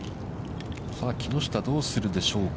さあ木下、どうするでしょうか。